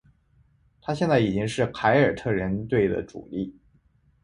他现在已经是凯尔特人队的主力。